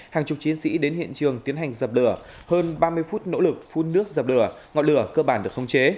hàng chục chiến sĩ đến hiện trường tiến hành dập lửa hơn ba mươi phút nỗ lực phun nước dập lửa ngọn lửa cơ bản được không chế